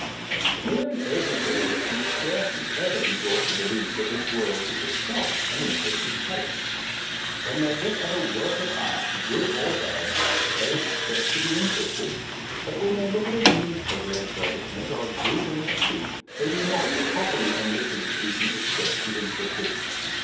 The merely educated can scarcely ever be brought to believe that this world is itself an interesting place. [i8] A Defekce of Useful iNFORMAtioK When they look at a work of art, good or bad, they expect to be interested, but when they look at a newspaper advertisement or a group in the street, they do not, properly and literally speaking, expect to be in terested.